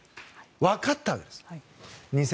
わかったわけです。